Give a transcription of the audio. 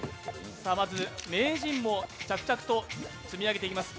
まず、名人も着々と積み上げていきます。